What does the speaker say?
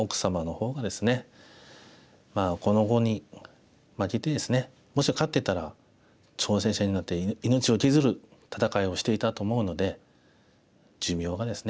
この碁に負けてですねもし勝ってたら挑戦者になって命を削る戦いをしていたと思うので。